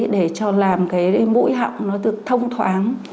để cho làm cái mũi họng nó được thông thoáng